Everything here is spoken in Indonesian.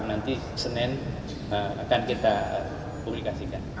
nanti senin akan kita publikasikan